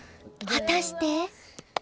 はたして？